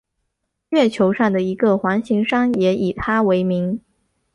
月球上的一个环形山也以他为名。